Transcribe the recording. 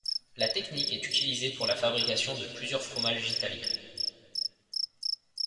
La technique est utilisée pour la fabrication de plusieurs fromages italiens.